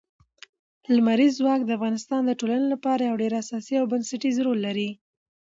لمریز ځواک د افغانستان د ټولنې لپاره یو ډېر اساسي او بنسټيز رول لري.